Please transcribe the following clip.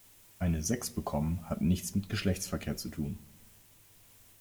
Eine Sechs bekommen hat nichts mit Geschlechtsverkehr zu tun.